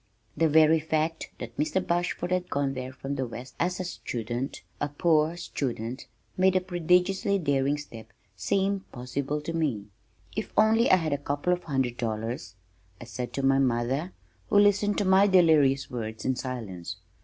The very fact that Mr. Bashford had gone there from the west as a student, a poor student, made the prodigiously daring step seem possible to me. "If only I had a couple of hundred dollars," I said to my mother who listened to my delirious words in silence.